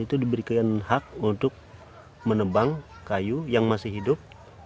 itu diberikan hak untuk menebang kayu yang masih hidup